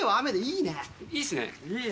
いいすね。